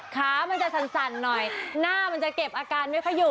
ขามันจะสั่นหน่อยหน้ามันจะเก็บอาการไม่ค่อยอยู่